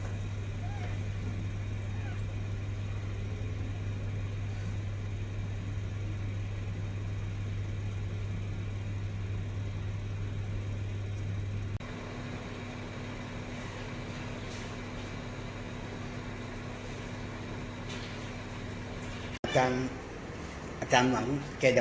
วันนี้เลยประจำกัน